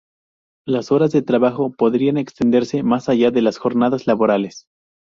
Las horas de trabajo podrían extenderse más allá de las jornadas laborales.